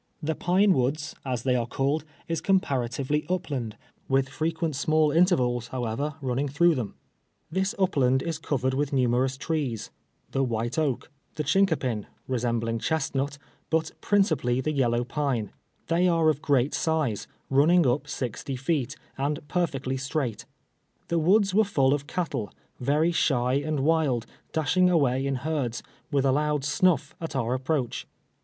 Tlie Pine Woods, as they are called, is com paratively upland, M itli frequent small intervals, how ever, running through them. This upland is covered with numerous trees — the white oak, the chincopin, AEEIVAL AT ALEXANDRIA. 93 rosenibliiig cliostiuit, but j^i'iiiclpally tlie jcllow pine. They are of great size, running up sixty feet, and per fectly straight. The woods were full of cattle, very shy and wild, dashing away in herds, with a loud snuff, at our approach.